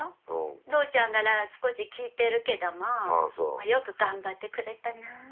父ちゃんから少し聞いてるけどもよく頑張ってくれたな。